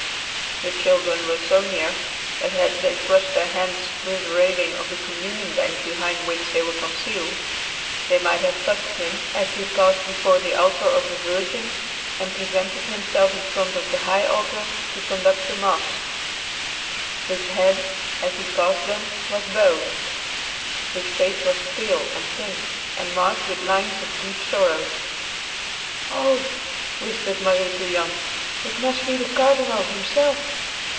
The children were so near that had they thrust their hands through the railing of the communion bank behind which they were concealed, they might have touched him as he passed before the altar of the Virgin and presented himself in front of the high altar to conduct the mass. His head, as he passed them, was bowed. His face was pale and thin, and marked with lines of deep sorrow. "Oh," whispered Marie to Jan, "it must be the Cardinal himself.